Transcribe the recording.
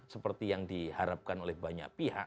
seperti yang diharapkan oleh banyak pihak